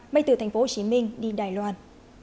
bay từ thành phố hồ chí minh đi đài loan